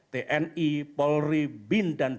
tni polri bin dan tni